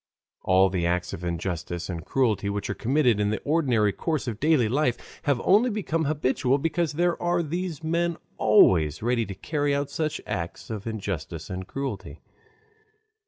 All the acts of injustice and cruelty which are committed in the ordinary course of daily life have only become habitual because there are these men always ready to carry out such acts of injustice and cruelty.